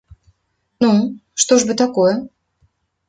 Ну, што ж бы такое?